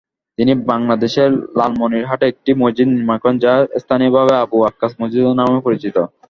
তিনি বাংলাদেশের লালমনিরহাটে একটি মসজিদ নির্মাণ করেন, যা স্থানীয়ভাবে আবু আক্কাস মসজিদ নামে পরিচিত।